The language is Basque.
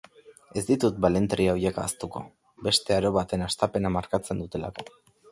Ez ditut balentria horiek ahaztuko, beste aro baten hastapena markatzen dutelako.